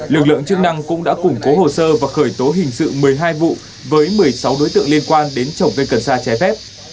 lực lượng chức năng cũng đã củng cố hồ sơ và khởi tố hình sự một mươi hai vụ với một mươi sáu đối tượng liên quan đến trồng cây cần sa trái phép